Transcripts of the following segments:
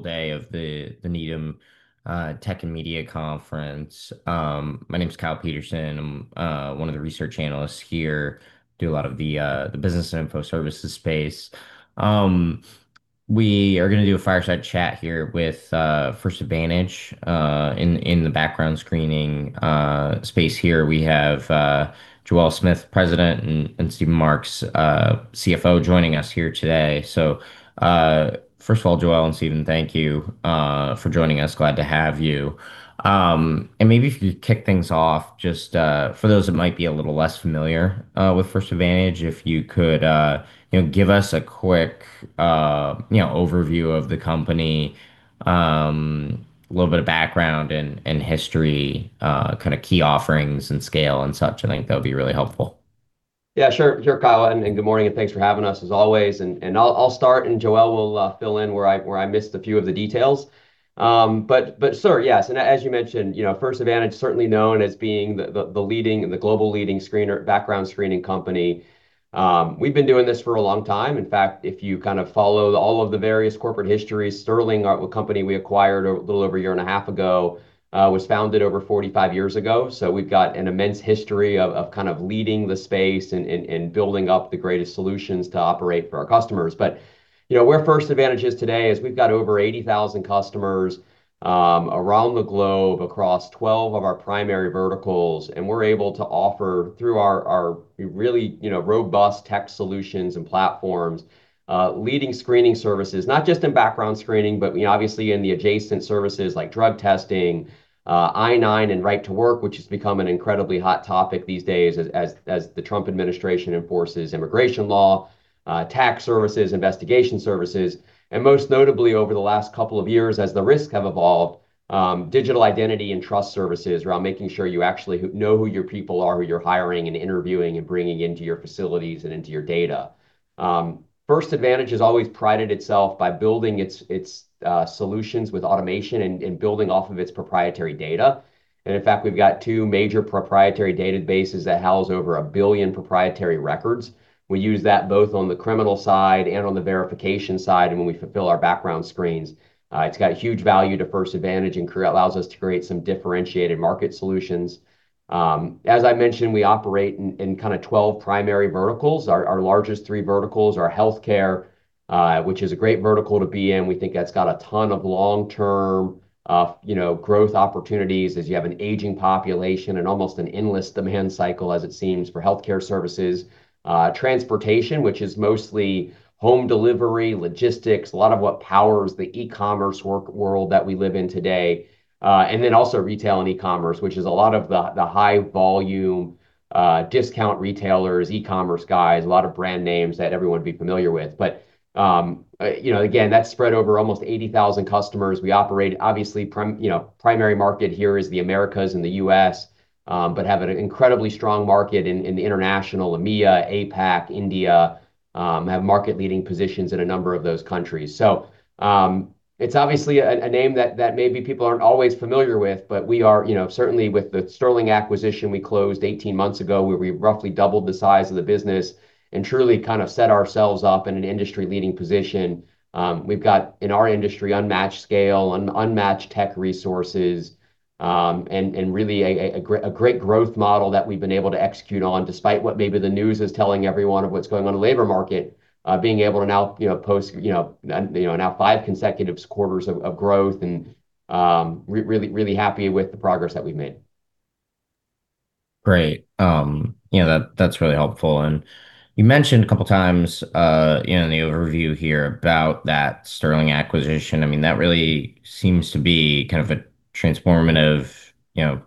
-all day of the Needham Tech and Media Conference. My name's Kyle Peterson. I'm one of the Research Analysts here. Do a lot of the business and info services space. We are gonna do a fireside chat here with First Advantage in the background screening space here. We have Joelle Smith, President, and Steven Marks, CFO, joining us here today. First of all, Joelle and Steven, thank you for joining us. Glad to have you. Maybe if you could kick things off just, for those that might be a little less familiar, with First Advantage, if you could, you know, give us a quick, you know, overview of the company, a little bit of background and history, kind of key offerings and scale and such, I think that would be really helpful. Yeah, sure. Sure, Kyle, good morning, and thanks for having us as always. I'll start, and Joelle will fill in where I missed a few of the details. But sure, yes, as you mentioned, you know, First Advantage certainly known as being the global leading background screening company. We've been doing this for a long time. In fact, if you kind of follow all of the various corporate histories, Sterling, a company we acquired a little over a year and a half ago, was founded over 45 years ago. We've got an immense history of kind of leading the space and building up the greatest solutions to operate for our customers. You know, where First Advantage is today is we've got over 80,000 customers, around the globe across 12 of our primary verticals, and we're able to offer, through our really, you know, robust tech solutions and platforms, leading screening services, not just in background screening, but obviously in the adjacent services like drug testing, I-9 and right to work, which has become an incredibly hot topic these days as the Trump administration enforces immigration law, tax services, investigation services, and most notably over the last couple of years as the risks have evolved, Digital Identity and trust services around making sure you actually know who your people are, who you're hiring and interviewing and bringing into your facilities and into your data. First Advantage has always prided itself by building its solutions with automation and building off of its proprietary data. In fact, we've got two major proprietary databases that house over a billion proprietary records. We use that both on the criminal side and on the verification side and when we fulfill our background screens. It's got huge value to First Advantage, and allows us to create some differentiated market solutions. As I mentioned, we operate in kind of 12 primary verticals. Our largest three verticals are healthcare, which is a great vertical to be in. We think that's got a ton of long-term, you know, growth opportunities as you have an aging population and almost an endless demand cycle, as it seems, for healthcare services. Transportation, which is mostly home delivery, logistics, a lot of what powers the e-commerce work world that we live in today. Also retail and e-commerce, which is a lot of the high volume, discount retailers, e-commerce guys, a lot of brand names that everyone would be familiar with. You know, again, that's spread over almost 80,000 customers. We operate obviously primary market here is the Americas and the U.S., but have an incredibly strong market in the international, EMEA, APAC, India, have market-leading positions in a number of those countries. It's obviously a name that maybe people aren't always familiar with, but we are, you know, certainly with the Sterling acquisition we closed 18 months ago, where we roughly doubled the size of the business and truly kind of set ourselves up in an industry-leading position. We've got in our industry unmatched scale, unmatched tech resources, and really a great growth model that we've been able to execute on despite what maybe the news is telling everyone of what's going on in the labor market, being able to now, you know, post, you know, now five consecutive quarters of growth and really, really happy with the progress that we've made. Great. You know, that's really helpful. You mentioned a couple of times, you know, in the overview here about that Sterling acquisition. I mean, that really seems to be kind of a transformative, you know,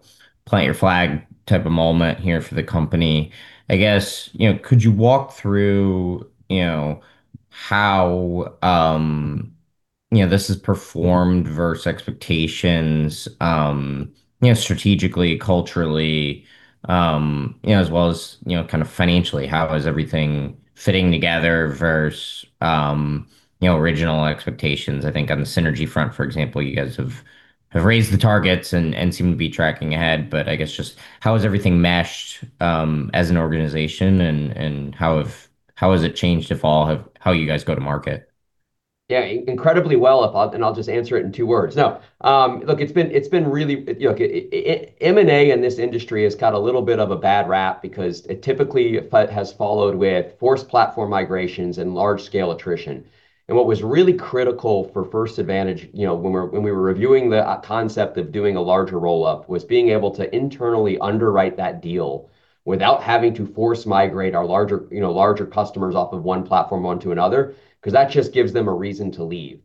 plant your flag type of moment here for the company. I guess, you know, could you walk through, you know, how, you know, this has performed versus expectations, you know, strategically, culturally, you know, as well as, you know, kind of financially? How is everything fitting together versus, you know, original expectations? I think on the synergy front, for example, you guys have raised the targets and seem to be tracking ahead. I guess just how has everything meshed as an organization and how has it changed, if all, how you guys go to market? Yeah, incredibly well, if I and I'll just answer it in two words. No, look, it's been really Look, it, M&A in this industry has got a little bit of a bad rap because it typically has followed with forced platform migrations and large scale attrition. What was really critical for First Advantage, you know, when we were reviewing the concept of doing a larger roll-up, was being able to internally underwrite that deal without having to force migrate our larger, you know, larger customers off of one platform onto another, 'cause that just gives them a reason to leave.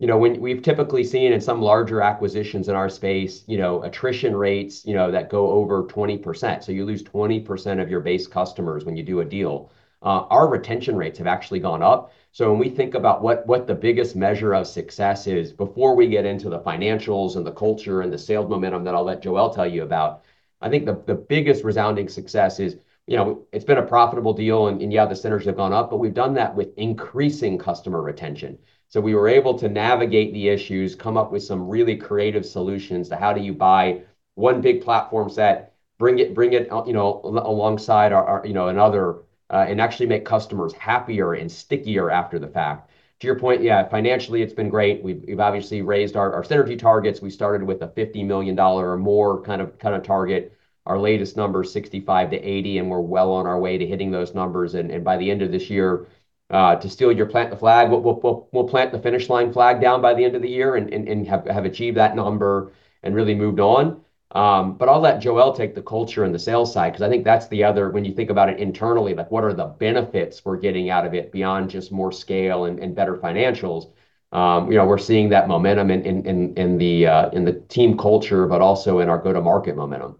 You know, when we've typically seen in some larger acquisitions in our space, you know, attrition rates, you know, that go over 20%. You lose 20% of your base customers when you do a deal. Our retention rates have actually gone up. When we think about what the biggest measure of success is, before we get into the financials and the culture and the sales momentum that I'll let Joelle tell you about, I think the biggest resounding success is, you know, it's been a profitable deal and, yeah, the synergies have gone up, but we've done that with increasing customer retention. We were able to navigate the issues, come up with some really creative solutions to how do you buy one big platform set-Bring it, you know, alongside our, you know, another, and actually make customers happier and stickier after the fact. To your point, yeah, financially it's been great. We've obviously raised our synergy targets. We started with a $50 million or more kind of target. Our latest number is 65 to 80, and we're well on our way to hitting those numbers. By the end of this year, to steal your plant the flag, we'll plant the finish line flag down by the end of the year and have achieved that number and really moved on. I'll let Joelle take the culture and the sales side 'cause I think that's the other When you think about it internally, like what are the benefits we're getting out of it beyond just more scale and better financials, you know, we're seeing that momentum in the team culture, but also in our go-to-market momentum.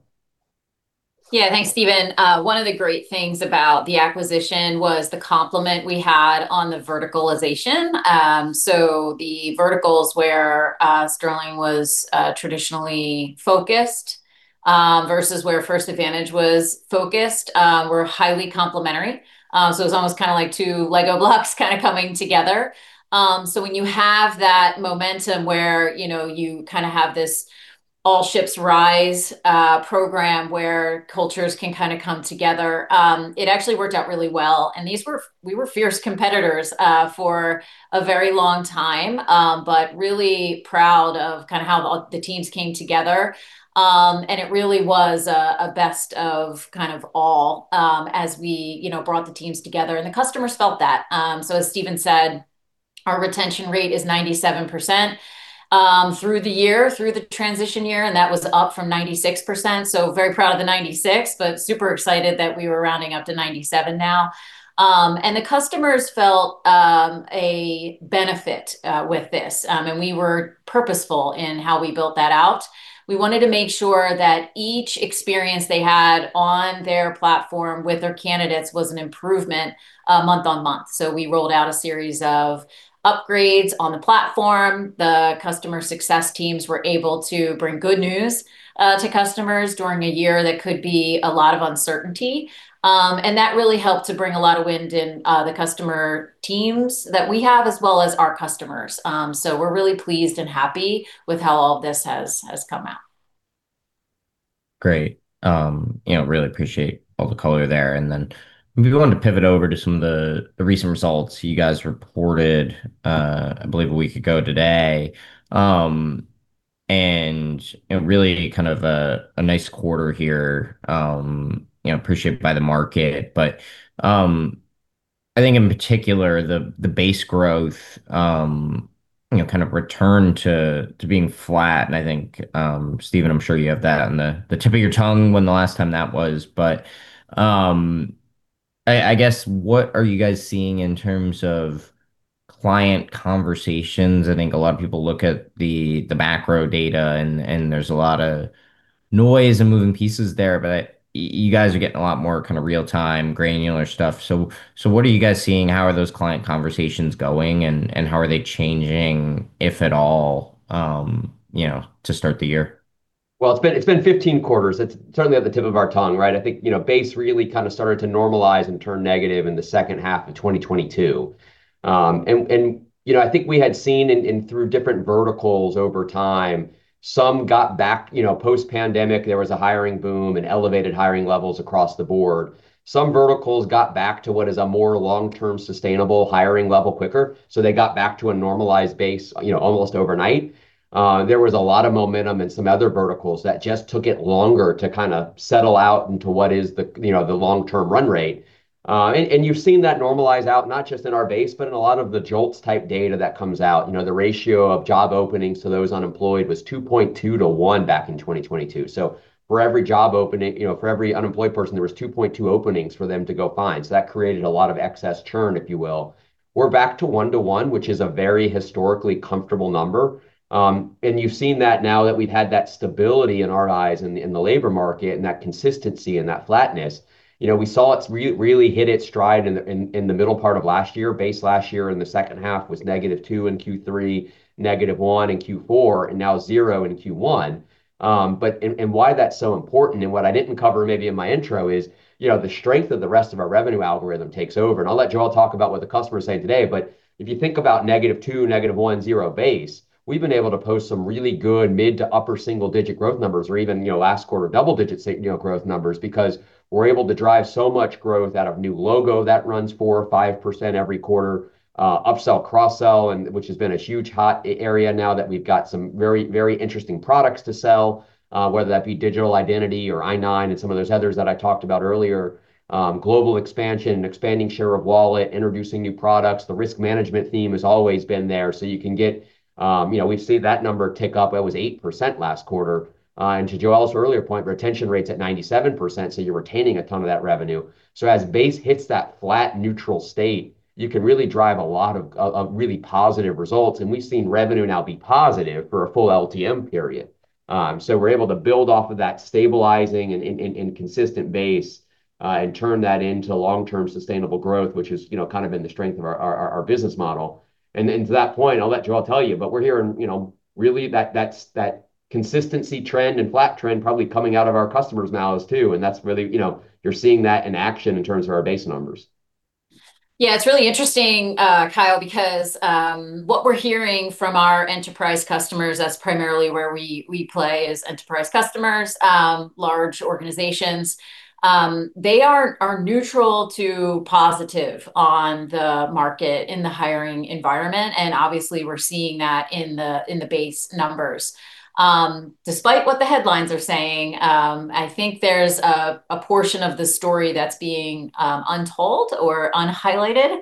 Yeah. Thanks, Steven. One of the great things about the acquisition was the complement we had on the verticalization. The verticals where Sterling was traditionally focused versus where First Advantage was focused were highly complementary. It was almost kind of like two Lego blocks kind of coming together. When you have that momentum where, you know, you kind of have this all ships rise program where cultures can kind of come together, it actually worked out really well. We were fierce competitors for a very long time. Really proud of kind of how all the teams came together. It really was a best of kind of all as we, you know, brought the teams together. The customers felt that. As Steven said, our retention rate is 97%, through the year, through the transition year, and that was up from 96%. Very proud of the 96%, but super excited that we were rounding up to 97% now. The customers felt a benefit with this. We were purposeful in how we built that out. We wanted to make sure that each experience they had on their platform with their candidates was an improvement month-on-month. We rolled out a series of upgrades on the platform. The customer success teams were able to bring good news to customers during a year that could be a lot of uncertainty. That really helped to bring a lot of wind in the customer teams that we have as well as our customers. We're really pleased and happy with how all this has come out. Great. You know, really appreciate all the color there. Maybe we want to pivot over to some of the recent results you guys reported, I believe a week ago today. You know, really kind of a nice quarter here, you know, appreciated by the market. I think in particular the base growth, you know, kind of returned to being flat. I think, Steven, I'm sure you have that on the tip of your tongue when the last time that was. I guess what are you guys seeing in terms of client conversations? I think a lot of people look at the macro data and there's a lot of noise and moving pieces there, but you guys are getting a lot more kind of real time granular stuff. What are you guys seeing? How are those client conversations going and how are they changing, if at all, you know, to start the year? Well, it's been 15 quarters. It's certainly at the tip of our tongue, right? I think, you know, base really kind of started to normalize and turn negative in the second half of 2022. You know, I think we had seen in through different verticals over time, some got back You know, post-pandemic, there was a hiring boom and elevated hiring levels across the board. Some verticals got back to what is a more long-term sustainable hiring level quicker, so they got back to a normalized base, you know, almost overnight. There was a lot of momentum in some other verticals that just took it longer to kind of settle out into what is the, you know, the long-term run rate. You've seen that normalize out not just in our base, but in a lot of the JOLTS-type data that comes out. You know, the ratio of job openings to those unemployed was 2.2 to one back in 2022. For every job opening, you know, for every unemployed person, there was 2.2 openings for them to go find. That created a lot of excess churn, if you will. We're back to one-to-one, which is a very historically comfortable number. You've seen that now that we've had that stability in our eyes in the labor market and that consistency and that flatness. You know, we saw it really hit its stride in the middle part of last year. Base last year in the second half was -2% in Q3, -1% in Q4, and now 0% in Q1. Why that's so important, and what I didn't cover maybe in my intro is, you know, the strength of the rest of our revenue algorithm takes over. I'll let Joelle talk about what the customers say today. If you think about -2%, -1%, 0% base, we've been able to post some really good mid to upper single-digit growth numbers or even, you know, last quarter double-digit growth numbers. We're able to drive so much growth out of new logo that runs 4% or 5% every quarter, upsell, cross-sell, which has been a huge hot area now that we've got some very, very interesting products to sell, whether that be Digital Identity or I-9 and some of those others that I talked about earlier. Global expansion, expanding share of wallet, introducing new products. The risk management theme has always been there. You can get, you know, we've seen that number tick up. That was 8% last quarter. To Joelle's earlier point, retention rate's at 97%, you're retaining a ton of that revenue. As base hits that flat neutral state, you can really drive a lot of really positive results. We've seen revenue now be positive for a full LTM period. We're able to build off of that stabilizing and consistent base and turn that into long-term sustainable growth, which is, you know, kind of been the strength of our business model. To that point, I'll let Joelle tell you, but we're hearing, you know, really that consistency trend and flat trend probably coming out of our customers now is too, that's really, you know, you're seeing that in action in terms of our base numbers. It's really interesting, Kyle, because what we're hearing from our enterprise customers, that's primarily where we play is enterprise customers, large organizations. They are neutral to positive on the market in the hiring environment. Obviously we're seeing that in the, in the base numbers. Despite what the headlines are saying, I think there's a portion of the story that's being untold or unhighlighted,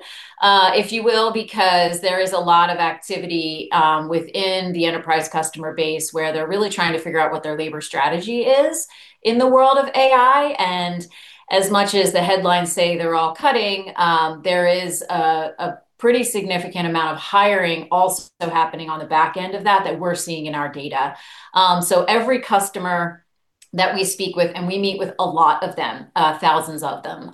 if you will. There is a lot of activity within the enterprise customer base where they're really trying to figure out what their labor strategy is in the world of AI. As much as the headlines say they're all cutting, there is a pretty significant amount of hiring also happening on the back end of that we're seeing in our data. Every customer that we speak with, and we meet with a lot of them, thousands of them.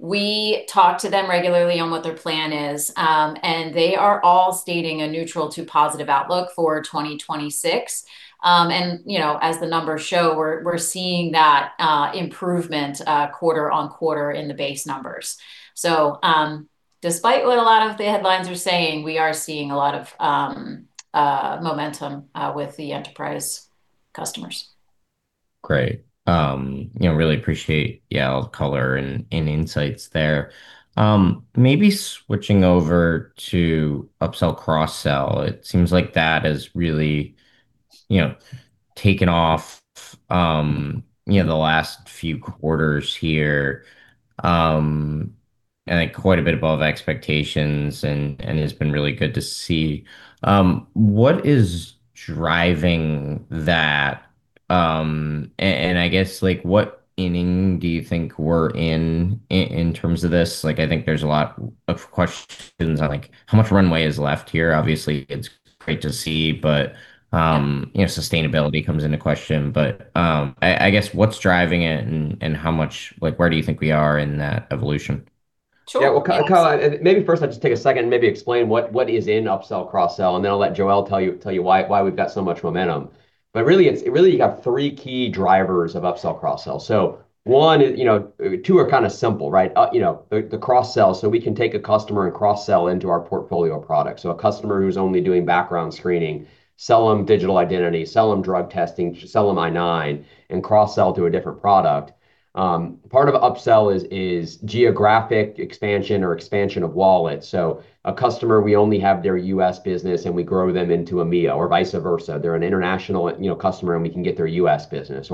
We talk to them regularly on what their plan is. They are all stating a neutral to positive outlook for 2026. You know, as the numbers show, we're seeing that improvement quarter-over-quarter in the base numbers. Despite what a lot of the headlines are saying, we are seeing a lot of momentum with the enterprise customers. Great. You know, really appreciate, yeah, all the color and insights there. Maybe switching over to upsell, cross-sell. It seems like that has really, you know, taken off, you know, the last few quarters here. I think quite a bit above expectations and it's been really good to see. What is driving that? I guess, like, what inning do you think we're in terms of this? I think there's a lot of questions on, like, how much runway is left here. Obviously, it's great to see, you know, sustainability comes into question. I guess, what's driving it and where do you think we are in that evolution? Sure. Yeah. Well, Kyle, maybe first I'll just take a second and maybe explain what is in upsell, cross-sell, and then I'll let Joelle tell you, tell you why we've got so much momentum. Really you have three key drivers of upsell, cross-sell. One is, you know, two are kind of simple, right? You know, the cross-sell. We can take a customer and cross-sell into our portfolio product. A customer who's only doing background screening, sell them Digital Identity, sell them drug testing, sell them I-9, and cross-sell to a different product. Part of upsell is geographic expansion or expansion of wallet. A customer, we only have their U.S. business, and we grow them into EMEA, or vice versa. They're an international, you know, customer, and we can get their U.S. business.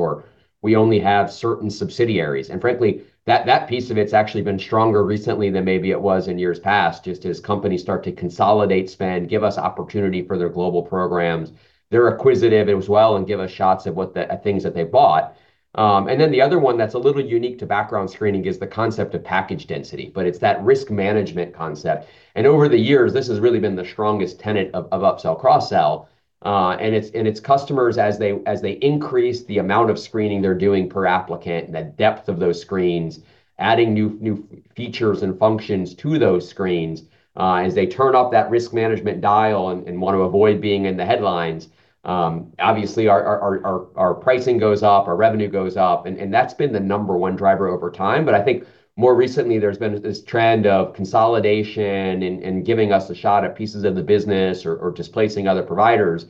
We only have certain subsidiaries. Frankly, that piece of it's actually been stronger recently than maybe it was in years past, just as companies start to consolidate spend, give us opportunity for their global programs. They're acquisitive as well and give us shots at things that they bought. Then the other one that's a little unique to background screening is the concept of package density. It's that risk management concept. Over the years, this has really been the strongest tenet of upsell, cross-sell. It's customers as they increase the amount of screening they're doing per applicant, the depth of those screens, adding new features and functions to those screens. As they turn up that risk management dial and want to avoid being in the headlines, obviously our pricing goes up, our revenue goes up, and that's been the number one driver over time. I think more recently there's been this trend of consolidation and giving us a shot at pieces of the business or displacing other providers.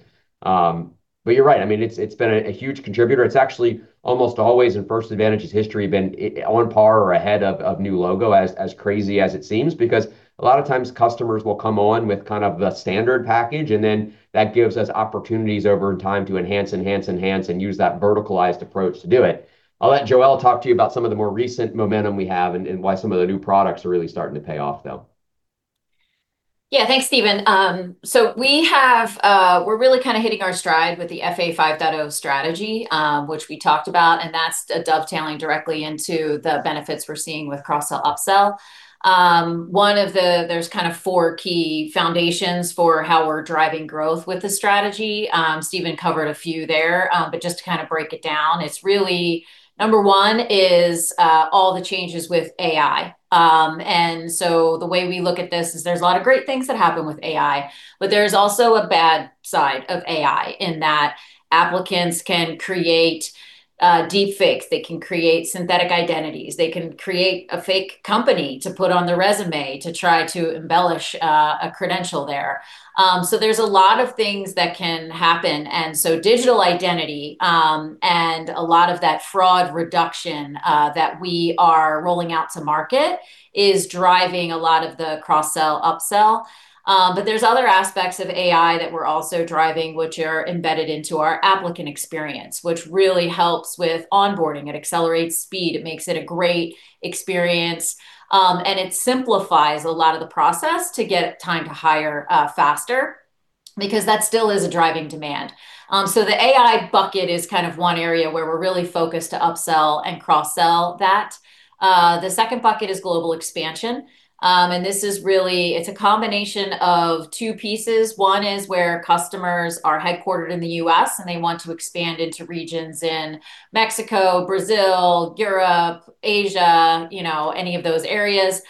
You're right. I mean, it's been a huge contributor. It's actually almost always in First Advantage's history been on par or ahead of new logo, as crazy as it seems. A lot of times customers will come on with kind of the standard package, and then that gives us opportunities over time to enhance and use that verticalized approach to do it. I'll let Joelle talk to you about some of the more recent momentum we have and why some of the new products are really starting to pay off, though. Thanks, Steven. We're really kind of hitting our stride with the FA 5.0 strategy, which we talked about, and that's dovetailing directly into the benefits we're seeing with cross-sell, upsell. There's kind of four key foundations for how we're driving growth with the strategy. Steven covered a few there. Just to kind of break it down, it's really, number one is all the changes with AI. The way we look at this is there's a lot of great things that happen with AI, but there's also a bad side of AI in that applicants can create deepfakes. They can create synthetic identities. They can create a fake company to put on their resume to try to embellish a credential there. There's a lot of things that can happen. Digital Identity, and a lot of that fraud reduction that we are rolling out to market is driving a lot of the cross-sell, upsell. There's other aspects of AI that we're also driving, which are embedded into our applicant experience, which really helps with onboarding. It accelerates speed. It makes it a great experience. It simplifies a lot of the process to get time to hire faster because that still is a driving demand. The AI bucket is kind of one area where we're really focused to upsell and cross-sell that. The second bucket is global expansion. This is really a combination of two pieces. One is where customers are headquartered in the U.S., and they want to expand into regions in Mexico, Brazil, Europe, Asia, you know, any of those areas.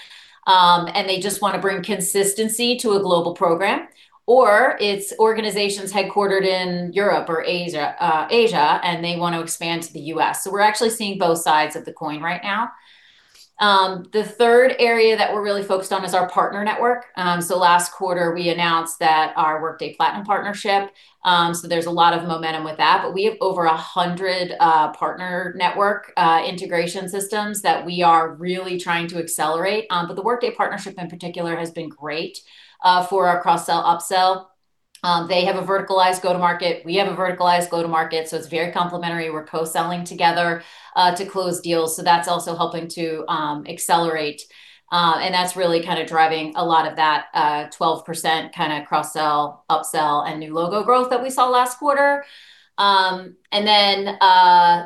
They just want to bring consistency to a global program. It's organizations headquartered in Europe or Asia, and they want to expand to the U.S. We're actually seeing both sides of the coin right now. The third area that we're really focused on is our partner network. Last quarter we announced that our Workday Platinum partnership, there's a lot of momentum with that. We have over 100 partner network integration systems that we are really trying to accelerate. The Workday partnership in particular has been great for our cross-sell, upsell. They have a verticalized go-to-market, we have a verticalized go-to-market, it's very complementary. We're co-selling together to close deals, that's also helping to accelerate. That's really kind of driving a lot of that 12% kind of cross-sell, upsell and new logo growth that we saw last quarter.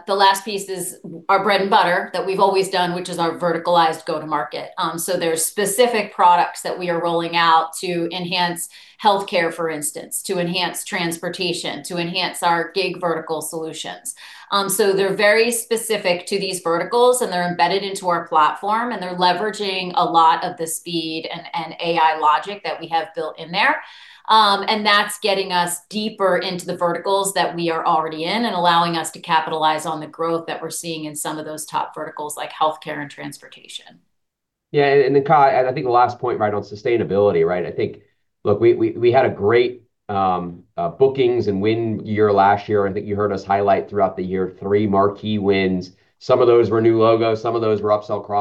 The last piece is our bread and butter that we've always done, which is our verticalized go-to-market. There's specific products that we are rolling out to enhance healthcare, for instance, to enhance transportation, to enhance our gig vertical solutions. They're very specific to these verticals, and they're embedded into our platform, and they're leveraging a lot of the speed and AI logic that we have built in there. That's getting us deeper into the verticals that we are already in, and allowing us to capitalize on the growth that we're seeing in some of those top verticals like healthcare and transportation. Yeah, then Kyle, I think the last point on sustainability. I think, look, we had a great bookings and win year last year. I think you heard us highlight throughout the year three marquee wins. Some of those were new logos, some of those were upsell,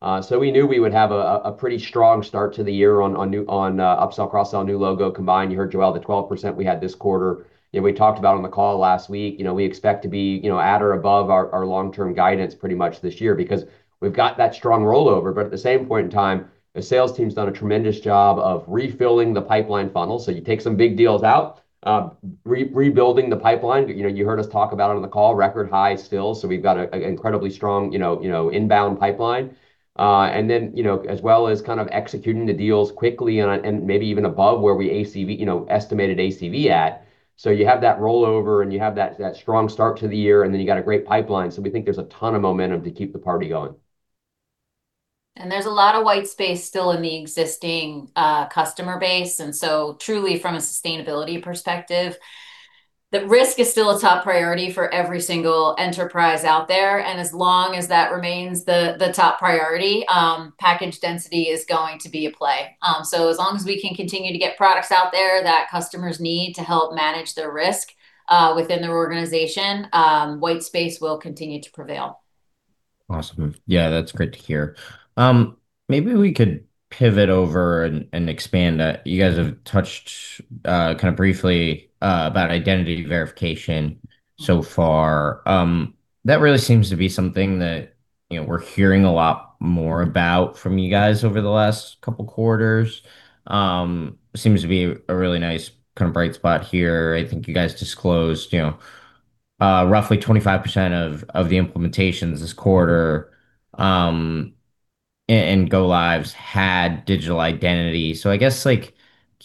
cross-sell. We knew we would have a pretty strong start to the year on new, upsell, cross-sell, new logo combined. You heard Joelle, the 12% we had this quarter. You know, we talked about on the call last week, you know, we expect to be, you know, at or above our long-term guidance pretty much this year because we've got that strong rollover. At the same point in time, the sales team's done a tremendous job of refilling the pipeline funnel. You take some big deals out, rebuilding the pipeline. You know, you heard us talk about it on the call, record high still, so we've got an incredibly strong, you know, inbound pipeline. Then, you know, as well as kind of executing the deals quickly on a, and maybe even above where we ACV, you know, estimated ACV at. You have that rollover, and you have that strong start to the year, and then you got a great pipeline, so we think there's a ton of momentum to keep the party going. There's a lot of white space still in the existing customer base, and so truly from a sustainability perspective, the risk is still a top priority for every single enterprise out there. As long as that remains the top priority, package density is going to be a play. As long as we can continue to get products out there that customers need to help manage their risk within their organization, white space will continue to prevail. Awesome. Yeah, that's great to hear. Maybe we could pivot over and expand. You guys have touched kind of briefly about identity verification so far. That really seems to be something that, you know, we're hearing a lot more about from you guys over the last couple quarters. Seems to be a really nice kind of bright spot here. I think you guys disclosed, you know, roughly 25% of the implementations this quarter and go lives had Digital Identity. I guess, like, can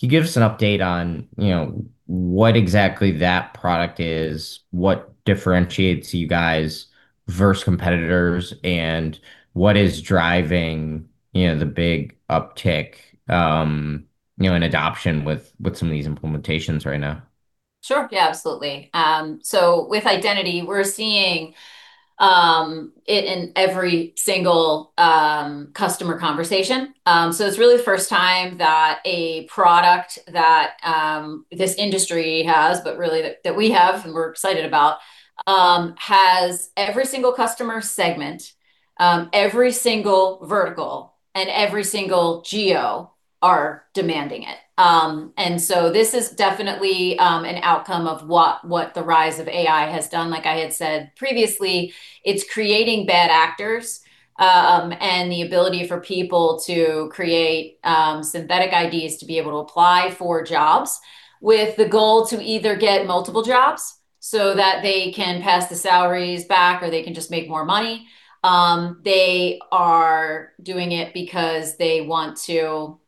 you give us an update on, you know, what exactly that product is? What differentiates you guys versus competitors? What is driving, you know, the big uptick, you know, in adoption with some of these implementations right now? Sure. Yeah, absolutely. With Digital Identity, we're seeing it in every single customer conversation. It's really the first time that a product that this industry has, but really that we have, and we're excited about, has every single customer segment, every single vertical, and every single geo are demanding it. This is definitely an outcome of what the rise of AI has done. Like I had said previously, it's creating bad actors, and the ability for people to create synthetic IDs to be able to apply for jobs with the goal to either get multiple jobs, so that they can pass the salaries back or they can just make more money. They are doing it because they want to.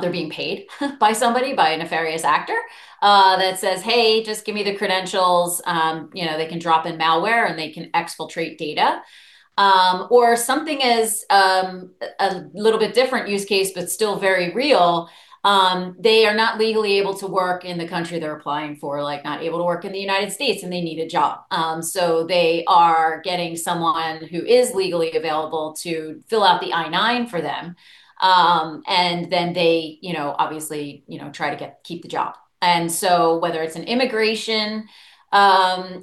They're being paid by somebody, by a nefarious actor, that says, "Hey, just give me the credentials." You know, they can drop in malware, and they can exfiltrate data. Or something is a little bit different use case, but still very real, they are not legally able to work in the country they're applying for, like not able to work in the U.S., and they need a job. They are getting someone who is legally available to fill out the I-9 for them. They, you know, obviously, you know, keep the job. Whether it's an immigration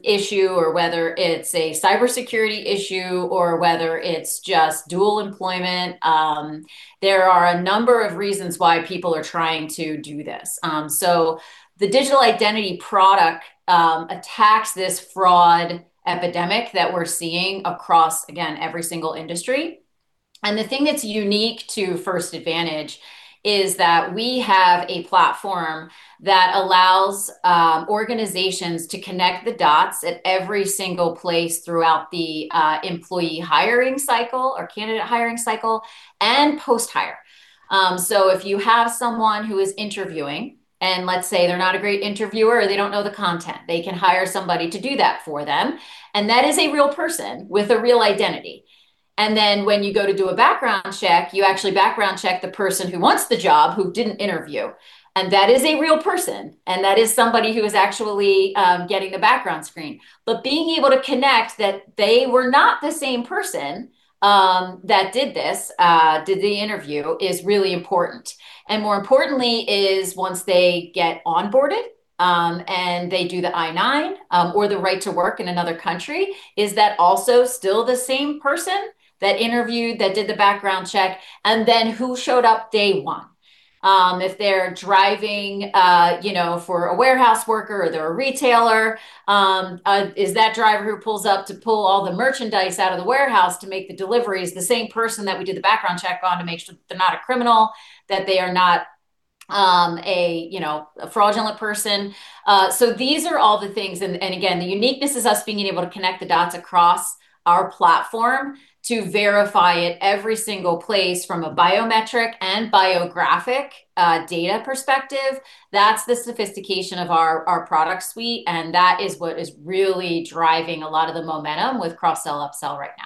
issue, or whether it's a cybersecurity issue, or whether it's just dual employment, there are a number of reasons why people are trying to do this. The Digital Identity product attacks this fraud epidemic that we're seeing across, again, every single industry. The thing that's unique to First Advantage is that we have a platform that allows organizations to connect the dots at every single place throughout the employee hiring cycle or candidate hiring cycle and post-hire. If you have someone who is interviewing, and let's say they're not a great interviewer, or they don't know the content, they can hire somebody to do that for them, and that is a real person with a real identity. When you go to do a background check, you actually background check the person who wants the job, who didn't interview, and that is a real person, and that is somebody who is actually getting the background screen. Being able to connect that they were not the same person that did this, did the interview, is really important. More importantly is once they get onboarded, and they do the I-9, or the right to work in another country, is that also still the same person that interviewed, that did the background check, and then who showed up day one? If they're driving, you know, for a warehouse worker or they're a retailer, is that driver who pulls up to pull all the merchandise out of the warehouse to make the deliveries the same person that we did the background check on to make sure that they're not a criminal, that they are not, a, you know, a fraudulent person? These are all the things. Again, the uniqueness is us being able to connect the dots across our platform to verify at every single place from a biometric and biographic, data perspective. That's the sophistication of our product suite, and that is what is really driving a lot of the momentum with cross-sell, upsell right now.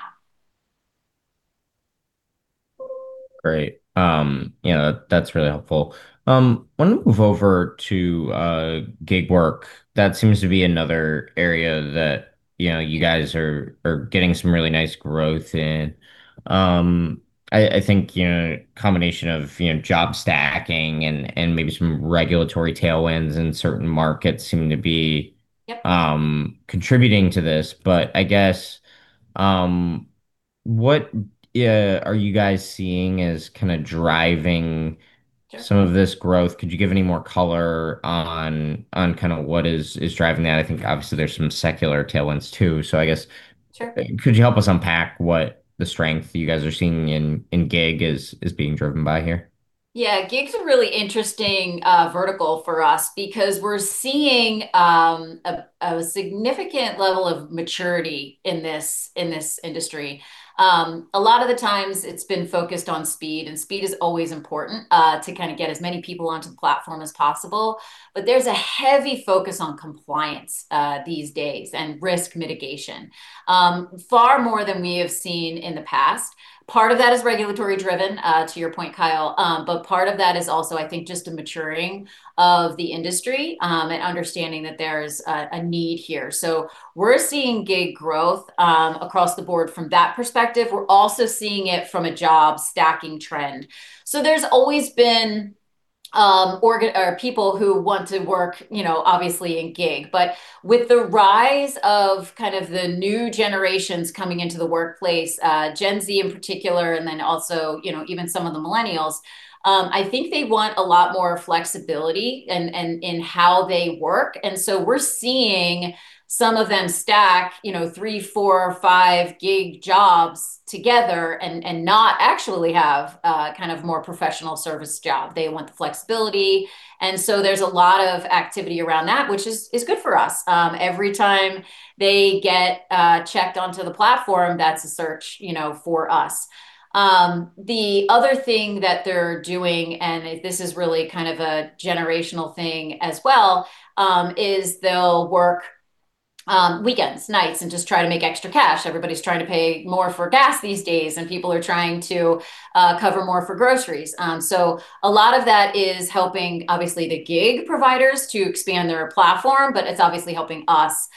Great. You know, that's really helpful. Why don't we move over to gig work? That seems to be another area that, you know, you guys are getting some really nice growth in. I think, you know, combination of, you know, job stacking and maybe some regulatory tailwinds in certain markets. Yep contributing to this. I guess, what are you guys seeing as kind of driving? Yeah some of this growth? Could you give any more color on kind of what is driving that? I think obviously there's some secular tailwinds too. I guess. Sure could you help us unpack what the strength you guys are seeing in gig is being driven by here? Yeah. Gig's a really interesting vertical for us because we're seeing a significant level of maturity in this industry. A lot of the times it's been focused on speed, and speed is always important to kind of get as many people onto the platform as possible, but there's a heavy focus on compliance these days, and risk mitigation far more than we have seen in the past. Part of that is regulatory driven to your point, Kyle, but part of that is also I think just a maturing of the industry and understanding that there's a need here. We're seeing gig growth across the board from that perspective. We're also seeing it from a job stacking trend. There's always been or people who want to work, you know, obviously in gig. With the rise of kind of the new generations coming into the workplace, Gen Z in particular, and then also, you know, even some of the millennials, I think they want a lot more flexibility in how they work. We're seeing some of them stack, you know, three, four, five-gig jobs together and not actually have a kind of more professional service job. They want the flexibility. There's a lot of activity around that, which is good for us. Every time they get checked onto the platform, that's a search, you know, for us. The other thing that they're doing, and this is really kind of a generational thing as well, is they'll work weekends, nights, and just try to make extra cash. Everybody's trying to pay more for gas these days, and people are trying to cover more for groceries. A lot of that is helping obviously the gig providers to expand their platform, but it's obviously helping us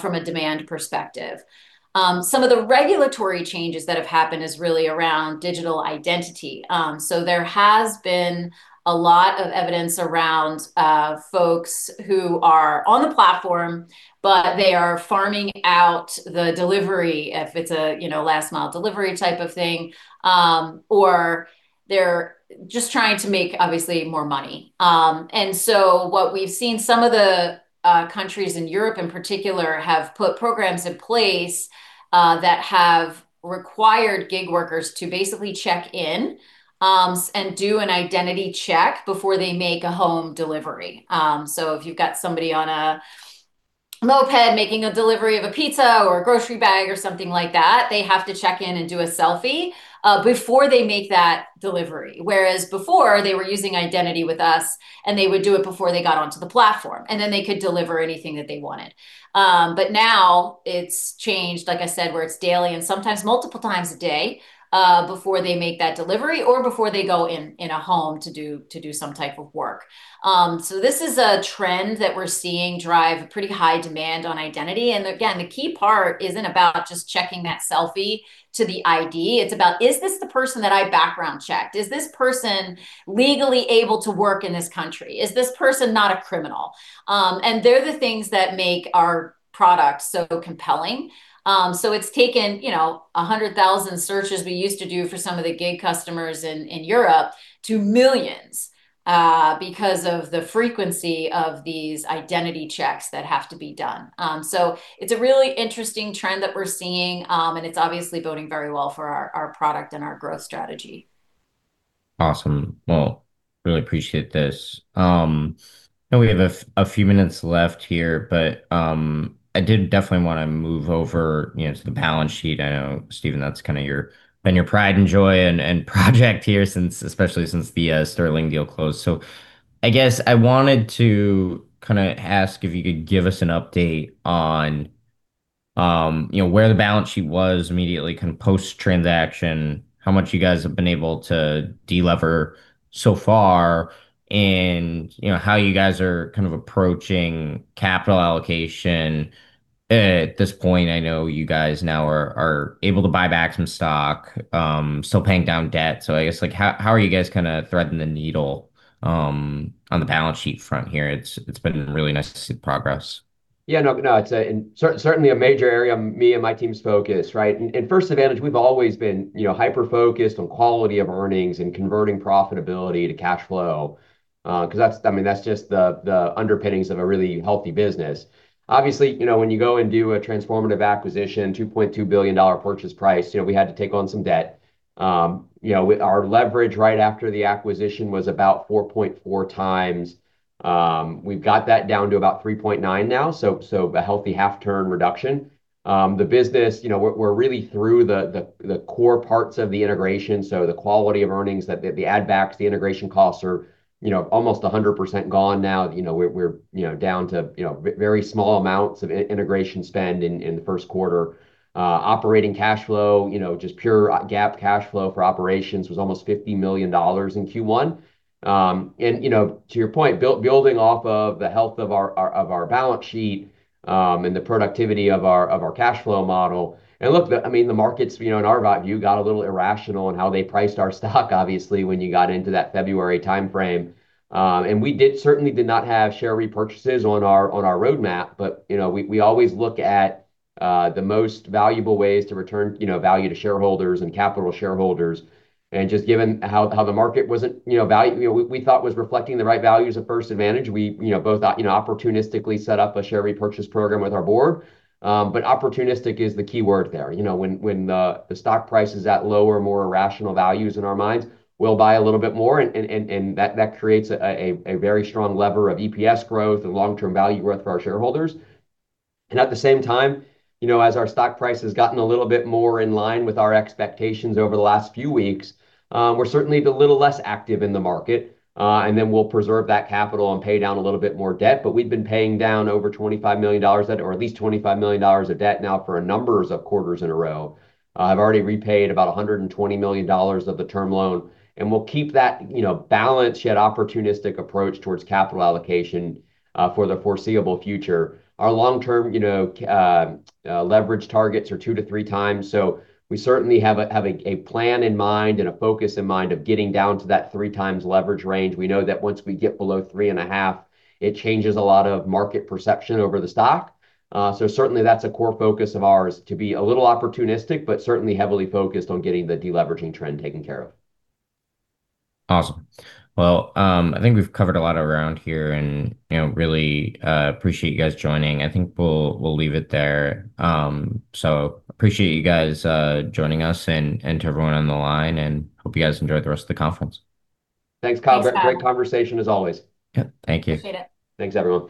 from a demand perspective. Some of the regulatory changes that have happened is really around Digital Identity. There has been a lot of evidence around folks who are on the platform, but they are farming out the delivery if it's a, you know, last mile delivery type of thing, or they're just trying to make obviously more money. What we've seen, some of the countries in Europe in particular have put programs in place that have required gig workers to basically check in and do an identity check before they make a home delivery. If you've got somebody on a moped making a delivery of a pizza or a grocery bag or something like that, they have to check in and do a selfie before they make that delivery. Whereas before, they were using identity with us, and they would do it before they got onto the platform, and then they could deliver anything that they wanted. Now it's changed, like I said, where it's daily and sometimes multiple times a day before they make that delivery or before they go in a home to do some type of work. This is a trend that we're seeing drive pretty high demand on identity. Again, the key part isn't about just checking that selfie to the ID. It's about is this the person that I background checked? Is this person legally able to work in this country? Is this person not a criminal? They're the things that make our product so compelling. It's taken, you know, 100,000 searches we used to do for some of the gig customers in Europe to millions because of the frequency of these identity checks that have to be done. It's a really interesting trend that we're seeing. It's obviously boding very well for our product and our growth strategy. Awesome. Well, really appreciate this. I know we have a few minutes left here, I did definitely want to move over, you know, to the balance sheet. I know, Steven, that's kind of your, been your pride and joy and project here since, especially since the Sterling deal closed. I guess I wanted to kind of ask if you could give us an update on, you know, where the balance sheet was immediately kind of post-transaction, how much you guys have been able to de-lever so far, and, you know, how you guys are kind of approaching capital allocation. At this point, I know you guys now are able to buy back some stock, still paying down debt. I guess, like, how are you guys kinda threading the needle on the balance sheet from here? It's been really nice to see the progress. Yeah. No, no, it's certainly a major area me and my team's focused, right? At First Advantage, we've always been, you know, hyper-focused on quality of earnings and converting profitability to cash flow, 'cause that's, I mean, that's just the underpinnings of a really healthy business. Obviously, you know, when you go and do a transformative acquisition, $2.2 billion purchase price, you know, we had to take on some debt. You know, with our leverage right after the acquisition was about 4.4x. We've got that down to about 3.9 now, so a healthy half-turn reduction. The business, you know, we're really through the core parts of the integration, so the quality of earnings that the add-backs, the integration costs are, you know, almost 100% gone now. You know, we're, you know, down to, you know, very small amounts of integration spend in the first quarter. Operating cashflow, you know, just pure GAAP cashflow for operations was almost $50 million in Q1. You know, to your point, building off of the health of our balance sheet and the productivity of our cashflow model. Look, the, I mean, the markets, you know, in our view, got a little irrational in how they priced our stock obviously when you got into that February timeframe. We did, certainly did not have share repurchases on our roadmap, but, you know, we always look at the most valuable ways to return, you know, value to shareholders and capital shareholders. Just given how the market wasn't, you know, we thought was reflecting the right values at First Advantage. We, you know, both, you know, opportunistically set up a share repurchase program with our board. Opportunistic is the keyword there. You know, when the stock price is at lower, more irrational values in our minds, we'll buy a little bit more and that creates a very strong lever of EPS growth and long-term value growth for our shareholders. At the same time, you know, as our stock price has gotten a little bit more in line with our expectations over the last few weeks, we're certainly a little less active in the market. We'll preserve that capital and pay down a little bit more debt, but we've been paying down over $25 million, or at least $25 million of debt now for a number of quarters in a row. I've already repaid about $120 million of the term loan, we'll keep that, you know, balanced yet opportunistic approach towards capital allocation for the foreseeable future. Our long-term, you know, leverage targets are two to three times. We certainly have a plan in mind and a focus in mind of getting down to that three times leverage range. We know that once we get below three and a half, it changes a lot of market perception over the stock. Certainly, that's a core focus of ours to be a little opportunistic, but certainly heavily focused on getting the de-leveraging trend taken care of. Awesome. Well, I think we've covered a lot around here and, you know, really appreciate you guys joining. I think we'll leave it there. Appreciate you guys joining us, and to everyone on the line, and hope you guys enjoy the rest of the conference. Thanks, Kyle. Thanks, Kyle. Great conversation, as always. Yeah. Thank you. Appreciate it. Thanks, everyone.